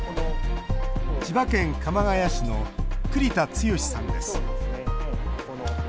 千葉県鎌ケ谷市の栗田剛さんです。